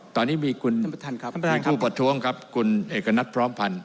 ตอนนี้มีคุณผู้ประท้วงครับคุณเอกณัฐพร้อมพันธ์